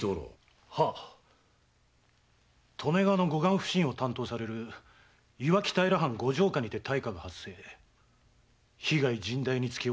利根川の護岸普請を担当される磐城平藩ご城下にて大火が発生被害甚大につきお役免除。